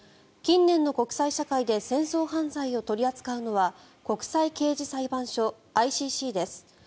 近年の国際社会で戦争犯罪を取り扱うのは国際刑事裁判所・ＩＣＣです。